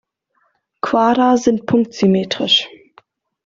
Quader sind punktsymmetrisch.